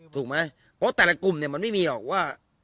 ถูกไหมเพราะแต่ละกลุ่มเนี่ยมันไม่มีหรอกว่า